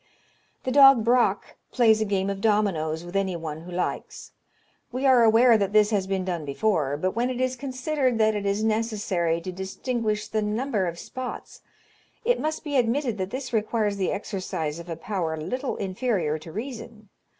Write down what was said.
The dog Braque plays a game of dominoes with any one who likes. We are aware that this has been done before; but when it is considered that it is necessary to distinguish the number of spots, it must be admitted that this requires the exercise of a power little inferior to reason.